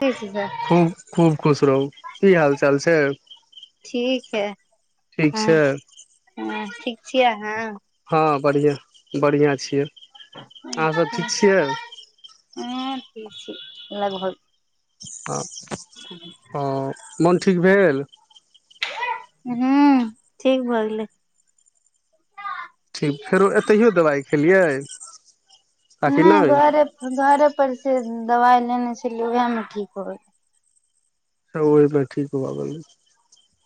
ठीक छै सर खूब खूब खुश रहू की हाल चाल छै। ठीक हैय ठीक हँ छै ह ठीक चियै अहां हँ बढ़िआँ बढ़िआँ चियै हँ ठ घर हँ हँ मोन ठीक भेल हू ठीक भअ गेलै ठीक फेरो एतहियो दबाइ खेलियै नहि घरे घरे पर से दबाइ लेने छलियै उएहमे ठीक भअ गेलै त ओहिमे ठीक भअ गेलै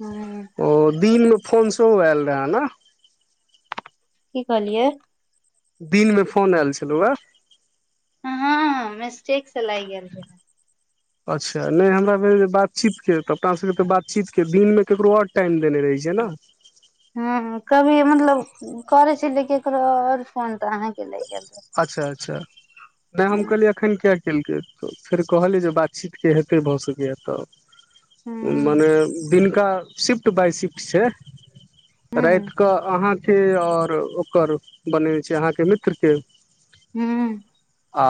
हूँ ओ दिन म फोन सेहो आयल रहे न की कहलियए दिनमे फोन आयल छलहुँ हेय हँ हं हं हं मिस्टेक से लागि गेल रहै अच्छा नहि हमरा भेल जे बातचीत के तऽ अपना सबके तऽ बातचीत के दिन मे ककरो आओर टाइम देने राहि ने हं हं कभी मतलब करै छलिये केकरो आओर फोन तऽ अहाँके लागि गेलै अच्छा अच्छा नहि हम हूँ कहलियै एखन किया केलकै तऽ फेर कहलियै जे बातचीतके हेतै भऽ सकैए तऽ उं हूँ माने दिनका शिफ्ट बाइ शिफ्ट छै। राति क अहांके आओर ओकर बनायने चियै अहाँके मित्र के हू आ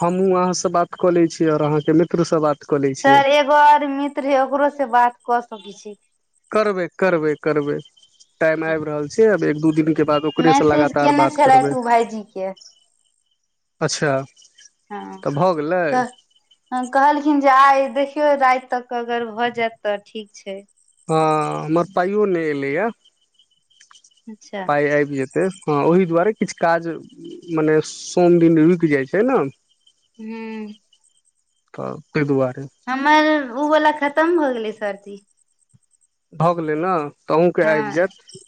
हमहु अहां से बात कअ लै चियै आओर अहां के मित्र स बात कऽ लै छियै सर एगो आओर मित्र हय ओकरो स बात कऽ सकै छी करबै-करबै-करबै टाइम हँ आबि रहल छै। आब एक दु के बाद ओकरे से मैसेज लगातार केने बात करबै छलथि ओ भाईजी के अच्छा हँ तऽ भऽ गेलै कह कहलखिन जे आइ देखियौ राति तक अगर भऽ जायत तऽ ठीक छै। हँ हमर पाइयो नहि एलै य अच्छा पाइ आइब जे ते हँ ओहि दुआरे किछु काज मने सोम दिन रुकि जाइ छै। नै हू तऽ ताहि दुआरे हमर ओवाला खत्म भऽ गेलै सरजी भऽ गेलै न तअ अहूँके हँ आबि जायत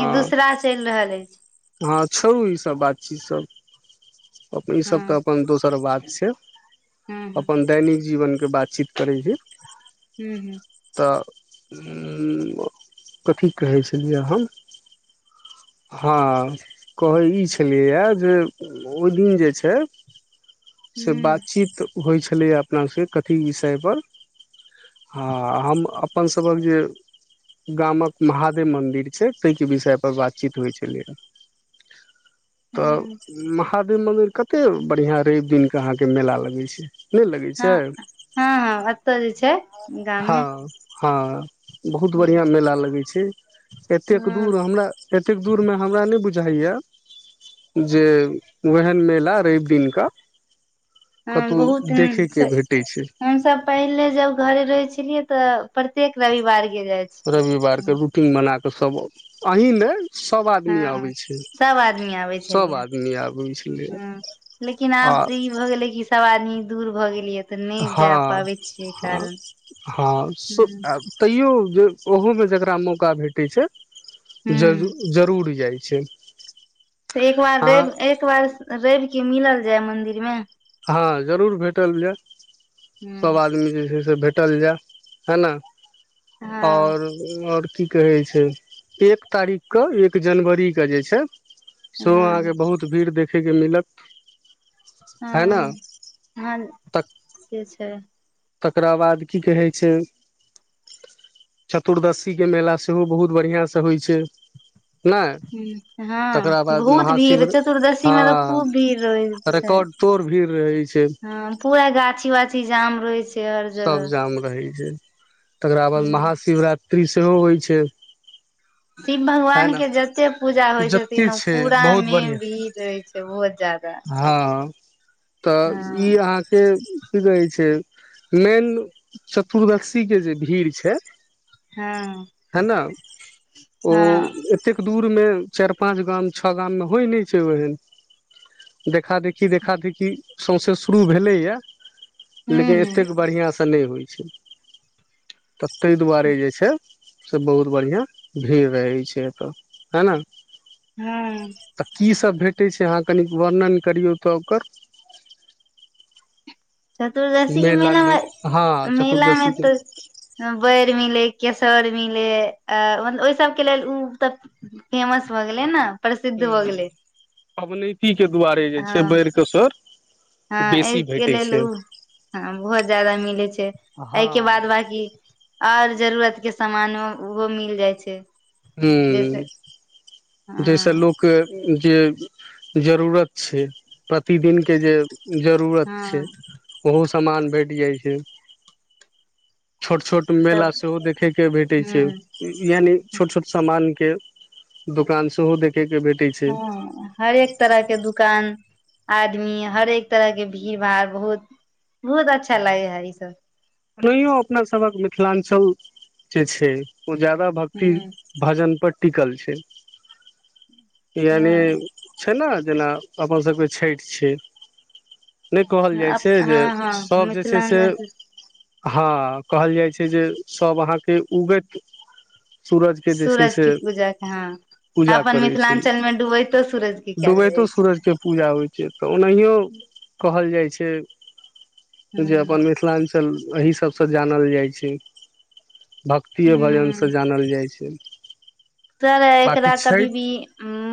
ई दूसरा चलि रहल अछि हँ छोड़ु ई सब बात चीत सब ई सब तऽ हँ अपन दोसर बात से हँ हूँ अपन दैनिक जीवनके बातचीत करै छी हु हू तऽ उ कथी कहै छलियै हम हँ कहै ई छलियैए जे ओहि दिन जे छै। से हूँ बातचीत होइ छलैए अपनासँबके कथी विषय पर हँ हम अपनसभक जे गामक महादेव मन्दिर छै। ताहिके विषय पर बातचीत होइ छलैए तऽ हूँ म खादे मन्दिर कते बढ़ियां रबि दिनके अहाँ के मेला लगै छै। नहि लगै छै हँ हँ हँ अत जे छै। गाममे हँ हँ बहुत बढ़िआं मेला लगै छै। एतेक हँ दूर हमरा एतेक दूर मे हमरा नहि बुझ बुझाइय जे ओहेन मेला रबि दिनक ज हँ बहुत हं स छै हम सब पहिले जब घरे रहै छलियै तऽ प्रत्येक रविवार गेल जाइ रविवारके छलियै रूटीन बना कऽ सभ आओ अहीं ने सोब आदमी हँ आबै छै। सब आदमी आबै सोब छलियै आदमी आबै छलये हँ लेकिन आब तऽ ई भऽ गेलै कि सब आदमी दूर भऽ गेलियै तऽ नहि जा हँ पाबै छियै ह कारण हँ स हूँ तैयो जे ओहु में जेकरा मौका भेटे छै। ज हूँ जरूर जाय छै। अ छय तऽ एक बार रैव एक बार रैव के मिलल जाय मंदिर मे हँ जरूर भेटल जायऽ सब हँ आदमी जे छै। भेटल जायऽ हे ना हँ और और की कहै छय एक तारीक के एक जनवरी के जे छय सेहो अहाँ के हँ बहुत भीड़ देखयके मिलत है ने हम्म ह त से छै। तकरा बाद की कहय छय चतुर्दसी के मेला सेहो बहुत बढ़िया सँ होइ छै। नहि हु हँ तकरा बाद बहुत भीड़ महाशिविर चतुर्दशी मे तऽ खूब हँ भीड़ रहै छय रिकॉर्ड तोड़ भीड़ रहै छै हँ पूरा गाछी वाछी जाम रोहय छय सब जाम रहै छय तकरा बाद हूँ महाशिवरात्रि सेहो होय छै। शिव है भगवान ने के जते पूजा होइ छथिन जते ओ छै पूरा बहुत मे बढ़िआँ भीड़ रहै छै बिहोत ज्यादा हँ तऽ ई हँ अहाँ के कि कहै छय मेन चतुर्दशीके जे भीड़ छय हँ है ना ओ हँ एतेके दू दूर मे चायर पाँच गाम छो गाम मे होय नय छै। आहेंन देखा देखी देखा देखी सौंसे शुरु भेले ये लेकिन हूँ हूँ एतेक बढ़िया से नै होय छै तऽ तय दुआरे जे छय से बहुत बढ़िया भीड़ रहै छै। एतो है ना हा आऽ भेटै छै अहाँ कनिक वर्णन करियों त ओकर चतुर्दशी के मेला मे हँ मेला मे चतुर्दशी के तऽ बैर मिलय केस सोर मिलै है आ ओहि सबके लेल उ तऽ फेमस भऽ गेलै न ह पवनैतिके दुआरे जे हँ छै। बैर केसौर हँ एहिके लेल उ हँ बहुत ज्यादा मिलै छै। एहिके हँ बाद बाँकी और जरूरत के सामानो उहो मिल जाइ छय ह जैसे हँ लोक के जे जरूरत छय प्रतिदिन के जे जरूरत छै हँ ओहो सामान भेट जाय छय छोट छोट सब मेला सेहो देखै के भेटय छै। हूँ यानि छोट छोट समान के दुकानके सेहो देखय ह हर एक तरह के दुकान आदमी हर एक तरह के भीड़ भाड़ बहुत बहुत अच्छा हँ लागे है ई सब ओनहियो अपना सभक मिथिलांचल जे छै। ओ ज्यादा भक्ति हूँ भजन पर टिकल छय यानि हँ छय न जेना अपन सभहक छैठ छय नय कोहल जाय छै। जे हँ हँ सभ जे छै। से मिथिलाञ्चल हँ कहल जाय छै। जे सब अहाँ के उगैत सूरज के जे छय सूरज से के पूजा के हँ पूजा अपन करै छय मिथिलाञ्चल मे डूबैतो सूरज के कयल डूबैतो जाइ छै सूरज के पूजा होइ छय तऽ ओनाहियो कहल जाइ छै। जे हूँ अपन मिथिलांचल एहि सब सँ जानल जाइ छै। भक्तिए भजनसँ हूँ जानल जाइ छै। सर बाँकी एकरा कभी छठि भी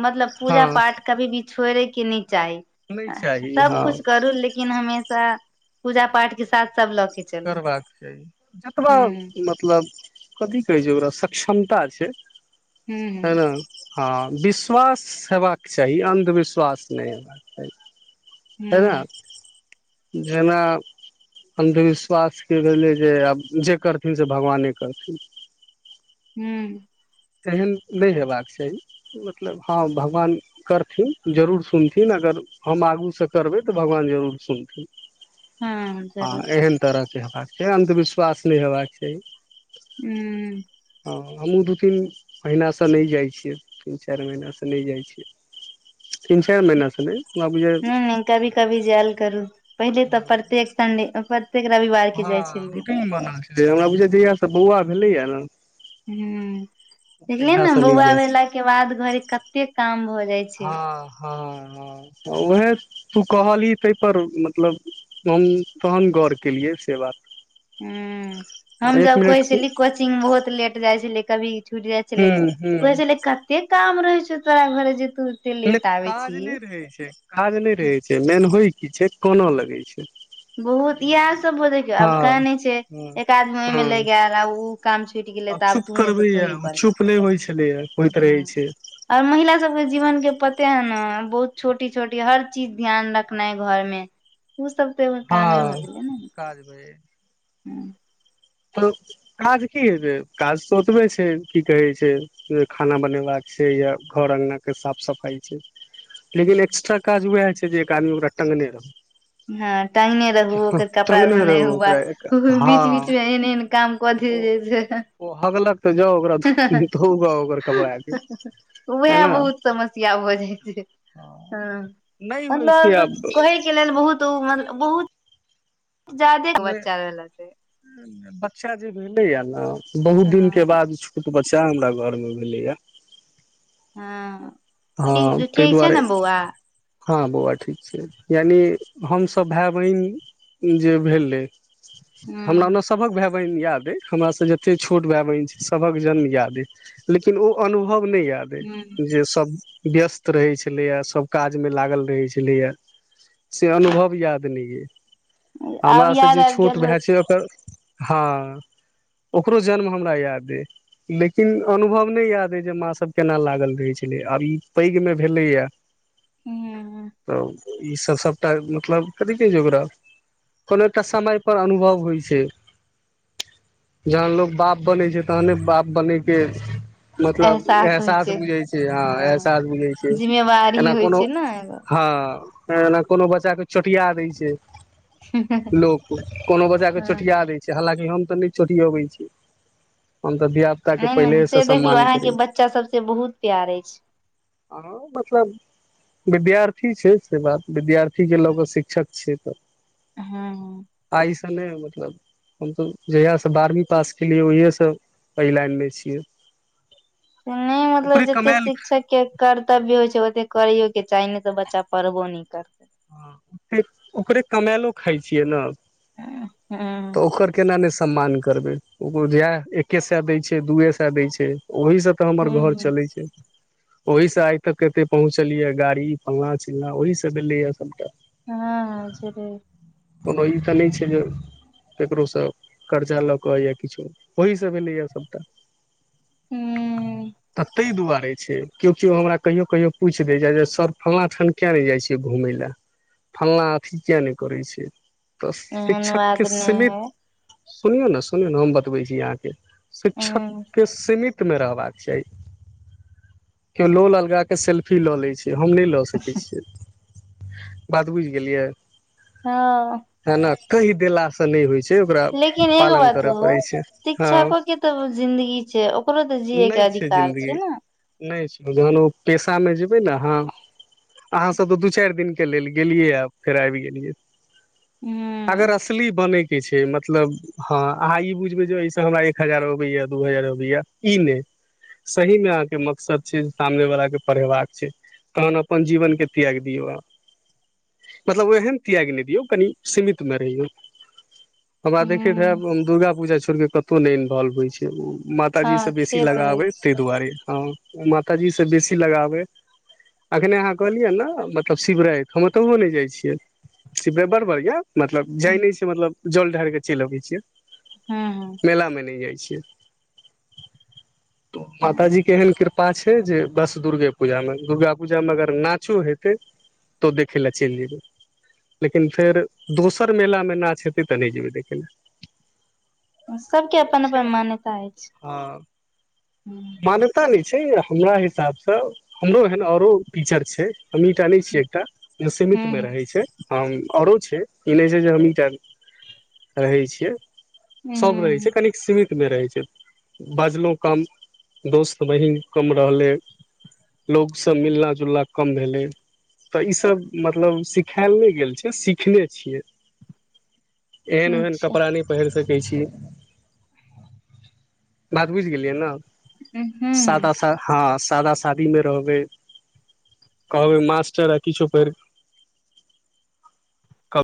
मतलब हँ पूजा पाठ कभी भी छोड़य के नय चाही नहि चाही सभ हँ कुछ करू लेकिन हमेशा पूजा पाठ के साथ सभ ल' क' करबाक चाही जतबा मतलब कथी कहै छै। ओकरा शक क्षमता छै। हूँ हूँ है ने हँ विश्वास हेबाक चाही अन्धविश्वास नहि हेबाक चाही हूँ एनाक जेना अन्धविश्वासके भेलै जे आब जे करथिन से भगवाने करथिन हूँ एहन नहि हेबाक चाही मतलब हँ भगवान करथिन जरूर सुनथिन अगर अगर हम आगूसँ करबै तऽ भगवान जरूर सुनथिन हँ एहन तरहके हेबाक चाही अन्धविश्वास नहि हेबाक चाही हूँ हँ हमहुँ दू तीन महीनासँ नहि जाइ छियै तीन चारि महीनासँ नहि जाइ छियै तीन चारि महीनासँ नहि हमरा बुझाए नहि नहि कभी कभी जायल करू पहिले तऽ प्रत्येक संडे ओकर हँ रूटिंग बनल छेलइ हमरा बुझाय जहिया सँ बौआ भेलै य न हूँ देखलियै ने नहि बौआ जाइ छी भेला के बाद घर कते काम भ हँ हँ हँ उएह तू कहली तै पर मतलब हम तहन गौर केलियै से बात हूँ हम एक जब मिनट कहै के छली कोचिंग बहुत लेट जाइ छलै कभी छुट जाइ छलै हूं हूं कहै छलै कतेक काम रहै छो तोरा घरे जे तू एते लेट नहि आबै काज छी नहि रहै छै। काज नहि रहै छै। मेन होइ की छै। कनए लगै छै। बहुत इएह सब भ देखियौ आब हँ कनए छै। हँ एक आदमी हँ ओहिमे लागि गैल आ ऊ काम छुटि गेलै तऽ आब चुप तू नहि तऽ करबैया तूही ओ कर चुप नहि होइ छलैया होइत हँ रहै छै आओर महिला सबके जीवनके पथ ते न बहुत छोटी छोटी हर चीज ध्यान रखनाइ घरमे ओ सब त कामे हँ भ' गेलइन काज भय हँ तऽ काज की हेतै काज तऽ ओतबे छै। की कहै छै। खाना बनेबाका से यैह घर अंगनाक साफ सफाइ छै। लेकिन एक्स्ट्रा काज वैह छै। जे एक आदमी ओकरा टांगने रहय हँ टंगने रहु ओकर कपड़ा टंगने धोने रहू ओकरा एक हु बीच बीच हँ मे एहन एहन काम कथ ओ जइ छै। ओ हगलक तऽ जाउ ओकरा हहहह धोउ ओकर कपड़ा के है वैह ने बहुत समस्या भऽ जाइ छै। हँ नहि होइ छै मतलब आब कहै के लेल बहुत ओ मतलब बहुत जादेक बच्चा रहल से बच्चा जे भेले ने बहुत दिन के हँ बाद छोट बच सैह हमरा घरमे भेलैए हँ ठीक ठीक छै। दुआरे ने बौआ हँ बौआ ठीक छै। यानि हमसभ भाय बहिन जे भेलय हमरा हूँ ओना सभहक भाय बहिन याद हमरासँ जते छोट भाय बहिन छै। सभक जन्म याद यै लेकिन ओ अनुभव ओ नहि याद यै हूँ जे सभ व्यस्त रहै छलैए सभ काजमे लागल रहै छलैए से अनुभव याद नहि य आब हमर से याद जे आबि छोट गेल भाय होत छै ओकर हँ ओकरो जन्म हमरा याद य लेकिन अनुभव नहि याद य जे माँ सभ केना लागल रहै छेलय आब ई पैघ मे भेलैया हूँ तब ई सभ सभटा मतलब कथी कहै छै। ओकरा कोनो एकटा समय पर अनुभव होइ छै। जहन लोग बाप बनै छै। तहने बाप बनयके मतलब एहसास बुझै छै। हँ एहसास काज बुझै छै। जिम्मेवारी एना होइ कोनो छै ने एगो हँ एना कोनो बच्चा के चोटिया दै छै। लोक कोनो बजा के हँ चोटिया दै छै। हालकि हम तऽ नहि चोटयौबै छी हम तऽ धिय पुता के नहि नहि पहिले हम से देखलहु सम्मान अहाँके करै छी बच्चा सबसँ बहुत प्यार अछि आ मतलब विद्यार्थी छै। से बात विद्यार्थी के लऽ कऽ शिक्षक छियै तऽ हँ त नइ मतलब हम तऽ जहिया सँ बारहवी पास केलियै ओहिए सँ एहि लाइन मै छियै नइ मतलब ओकरे जते कमायल शिक्षक के कर्तव्य होइ छै। ओते करियो के चाही ने तऽ बच्चा पढ़बो न करतै कमैलो खाय छियै न हँ हँ तऽ ओकर केना ने सम्मान करबै ओकर जएह एके सए दै छै। दुूए सए दै छै। ओहि सँ तऽ हमर घर चलै छै। ओहि सँ आइ तक कते पहुँचल यए गाड़ी फल्ला चिल्लाँ ओहि सँ भेलेया सभटा हँ हॅ छेलै कोनो ई तऽ नहि छै। जे ककरो सँ कर्जा लऽ कऽ या किछो ओही सँ भेलैए सभटा हूँ त तइ दुआरे केओ केओ हमरा कहियो कहियो पूछ दे छै। सर फलना ठान केिया ने जाय छ घूमेय ले फलना अथी किए नइ करै छै। तऽ एहन शिक्षक के बात नहि सीमित है सुनियौ ने सुनियौ ने हम बतबै छी अहाँ के शिक्षक हूँ के सीमित मे रहबाक चाही केओ लोल अलगा के सेल्फी लऽ लै छै। से हम नहि लऽ सकै छियै बात बुझि गेलियै हँ है ने कहि देला से नहि होय छै। ओकरा लेकिन एगो पालन बात करय कहु पड़ै छै हँ शिक्षको के तऽ जिंन्दगी छै। ओकरो तऽ नहि जियएके अधिकार जिन्दगी छै न नहि छै। जहन ओ पेशा मे जेबै नअ अहाँ स तऽ दू चारि दिन के लेल गेलिय फेर आइब गेलिय हूँ अगर असली बने के छै। मतलब हँ अहाँ ई बुझबै जे एहिसँ हमरा एक हजार अबैया दू हजार अबैया ई नइ सही मे अहाँ के मकसद छै। सामने वला के पढ़ेबाक छै। तहन अपन जीवन के त्याइग दियौ मतलब ओ एहन त्याइग नइ दियौ कनि सीमित मे रहियौ हमरा देखैत हूँ हैब दुर्गा पूजा छोड़ि कऽ कतहु नइ इन्वोल्व होइ छै। माताजी हँ सँ बेसी से तऽ लगाब अइ अछि तइ दुआरे हँ ओ माताजी से बेसी लगाब अइ अखने अहाँ कहलियै ने तब शिवरायत हम ओतहुओ नइ जाइ छियै शिवरायत बड़ बड़ बढिया मतलब जाइ नइ छिय मतलब जल ढाइर के चलि अबे छियै हँ मेला में न जाय छै। छियै त हँ माताजी के एहन कृपा कृपा छै जे बस दुर्गे पूजा मे दुर्गा पूजा मे अगर नाचो हेतै तो देखे लऽ चइल जैबे लेकिन फेर दोसर मेला मे नाच हेतै तऽ नइ जेबै देखै ल सबके अपन छै। अपन मान्यता अछि हँ हूँ मान्यता नइ हमरा हिसाब सँ हमरो एहन आरो टीचर छै। ाले छियै एकटा जे सीमित में हूँ रहै छै। हम आओरो छै ई नहि छै जे हमहीटा रहै छियै सबब रहै छै हूँ खालिक सीमित रहै छै बाजलहुँ काम दोस्त बहीन कम रहलै लोकोग सब मिलना जुलना कम भेलै तऽ ईसभ मतलब सिखायल नहि गेल छै। सिखने छियै एहन ओहन अच्छा कपड़ा न पहिर सकै कह छी बात बुझ गेलियै ने हूँ सात हँ सादा शादी मे रहबै कहबै माँ च किछप